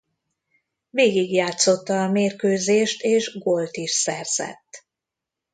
Végigjátszotta a mérkőzést és gólt is szerzett.